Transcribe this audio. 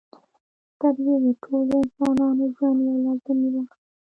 • سترګې د ټولو انسانانو ژوند یوه لازمي برخه ده.